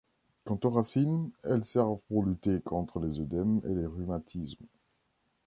Quant aux racines, elles servent pour lutter contre les œdèmes et les rhumatismes.